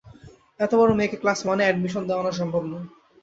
এত বড় মেয়েকে ক্লাস ওয়ানে অ্যাডমিশন দেয়ানো সম্ভব নয়।